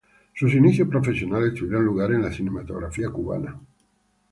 Sus inicios profesionales tuvieron lugar en la cinematografía cubana.